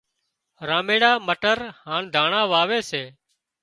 راميڙا مٽر هانَ داڻا واوي سي